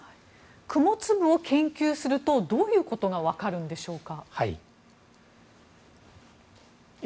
雲粒を研究するとどういうことが分かるんでしょうか。